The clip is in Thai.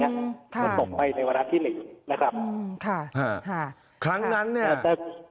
มันตกไปในวันละที่๑นะครับครั้งนั้นเนี่ย